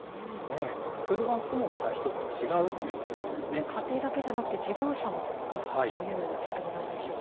フードバンクともまた一つ違うと家庭だけじゃなく、事業者も助かるという、どういう仕組みなんでしょうか。